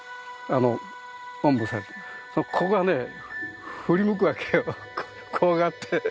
おんぶされてるその子がね振り向くわけよ怖がって。